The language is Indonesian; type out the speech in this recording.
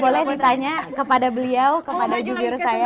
boleh ditanya kepada beliau kepada jubir saya